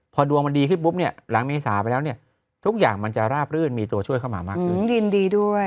พอดวงมันดีขึ้นปุ๊บเนี่ยหลังเมษาไปแล้วเนี่ยทุกอย่างมันจะราบรื่นมีตัวช่วยเข้ามามากขึ้นยินดีด้วย